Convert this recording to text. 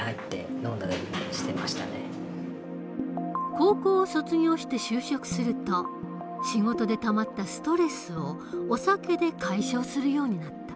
高校を卒業して就職すると仕事でたまったストレスをお酒で解消するようになった。